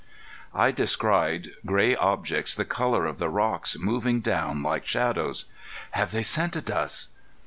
I descried gray objects the color of the rocks, moving down like shadows. "Have they scented us?"